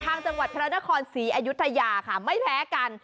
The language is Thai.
จังหวัดพระนครศรีอยุธยาค่ะไม่แพ้กัน